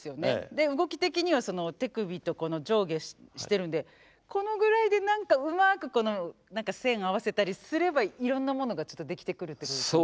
で動き的には手首とこの上下してるんでこのぐらいで何かうまく何か線合わせたりすればいろんなものがちょっとできてくるってことですね。